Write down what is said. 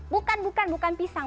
bukan bukan bukan pisang